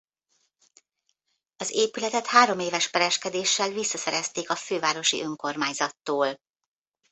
Az épületet hároméves pereskedéssel visszaszerezték a fővárosi önkormányzattól.